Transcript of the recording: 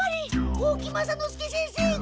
大木雅之助先生が。